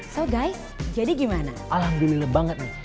so guy jadi gimana alhamdulillah banget nih